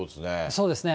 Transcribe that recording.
そうですね。